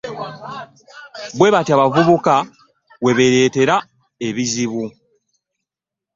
Bwebatyo abavubuka we beeteraebizibu .